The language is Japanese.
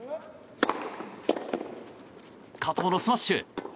加藤のスマッシュ！